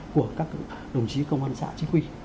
của các đồng chí công an xã chính quy